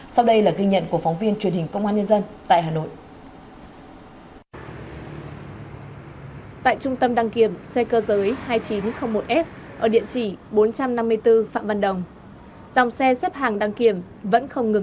sau đây là ghi nhận của phóng viên truyền hình công an nhân dân tại hà nội